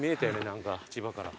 何か千葉から。